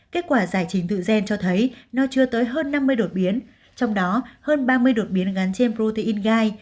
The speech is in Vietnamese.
kết quả giải trình tự gen cho thấy nó chưa tới hơn năm mươi đột biến trong đó hơn ba mươi đột biến gắn trên protein gai